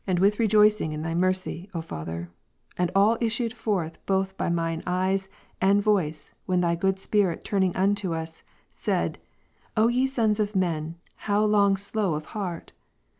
with rejoicing in Thy mercy, O Father ; and all issued forth both by mine eyes and voice, when Thy good Spirit turning Ps. 4, 2. unto us, said, ye sons of men, hoiv long slow of heart